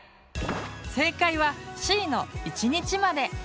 正解はＣの「１日まで」。